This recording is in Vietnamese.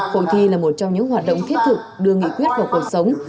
hội thi là một trong những hoạt động thiết thực đưa nghị quyết vào cuộc sống